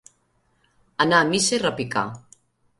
Anar a missa i repicar.